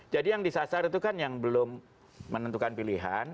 jadi yang disasar itu kan yang belum menentukan pilihan